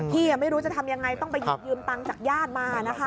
ไม่รู้จะทำยังไงต้องไปหยิบยืมตังค์จากญาติมานะคะ